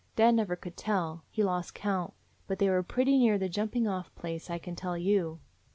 Dad never could tell; he lost count: but they were pretty near the jumping off place, I can tell you."